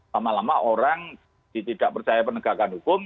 lama lama orang tidak percaya penegakan hukum